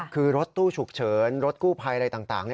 คือรถตู้ฉุกเฉินรถกู้ภัยอะไรต่าง